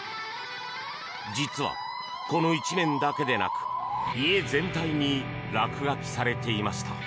実は、この一面だけでなく家全体に落書きされていました。